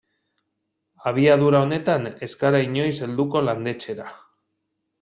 Abiadura honetan ez gara inoiz helduko landetxera.